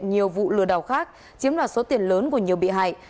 nhiều vụ lừa đảo khác chiếm đoạt số tiền lớn của nhiều bị hại